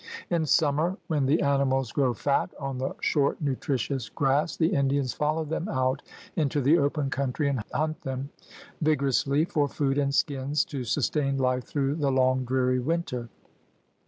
In summer, when the THE GARMENT OF VEGETATION 107 animals grow fat on the short nutritious grass, the Indians follow them out into the open country and hunt them vigorously for food and skins to sustain life through the long dreary winter.